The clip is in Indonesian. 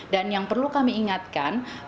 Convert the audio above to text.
dan yang perlu kami ingatkan